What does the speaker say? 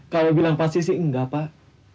kalau bilang pasti sih enggak pak